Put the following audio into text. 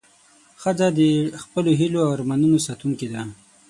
ښځه د خپلو هیلو او ارمانونو ساتونکې ده.